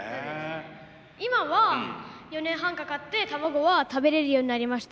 今は４年半かかって卵は食べれるようになりました。